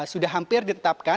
sudah hampir ditetapkan